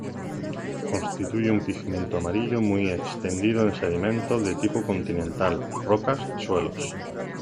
Constituye un pigmento amarillo muy extendido en sedimentos de tipo continental, rocas y suelos.